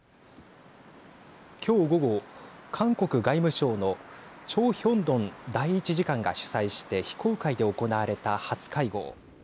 きょう午後、韓国外務省のチョ・ヒョンドン第１次官が主催して非公開で行われた初会合。